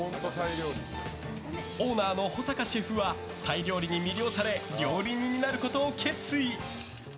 オーナーの保坂シェフはタイ料理に魅了され料理人になることを決意。